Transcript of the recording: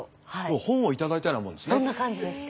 本を頂いたようなもんですね。